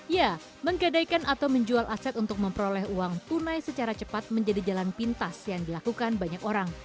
ya menggadaikan atau menjual aset untuk memperoleh uang tunai secara cepat menjadi jalan pintas yang dilakukan banyak orang